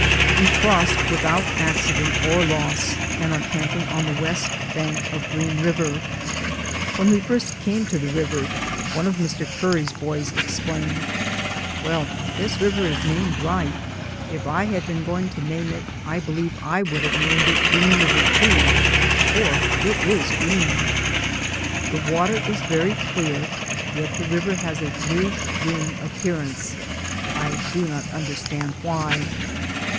We crossed without accident or loss, and are camping on the west bank of Green River. When we first came to the river, one of Mr. Curry's boys exclaimed: "Well, this river is named right. If I had 204 DAYS ON THE ROAD. been going to name it, I believe I would have named it Green River, too, for it is green." The water is very clear, yet the river has a bluish green appearance. I do not under stand why.